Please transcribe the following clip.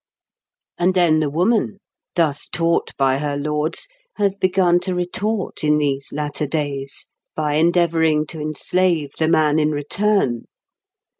And then the Woman, thus taught by her lords, has begun to retort in these latter days by endeavoring to enslave the Man in return.